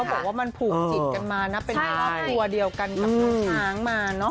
เขาบอกว่ามันผูกจิตกันมานะเป็นน้ำตัวเดียวกันกับน้ำทางมาเนอะ